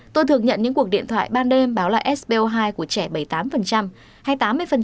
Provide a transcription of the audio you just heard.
tôi thường nhận những cuộc điện thoại ban đêm báo là sb hai của trẻ bảy mươi tám hay tám mươi